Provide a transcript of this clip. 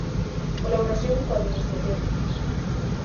Colaboración coa Administración.